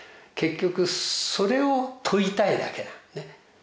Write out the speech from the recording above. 結局それを問いたいだけなのね